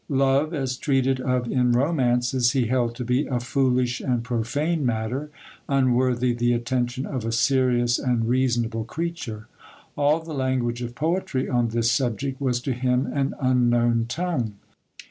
Love, as treated of in romances, he held to be a foolish and profane matter, unworthy the attention of a serious and reasonable creature. All the language of poetry on this subject was to him an unknown tongue.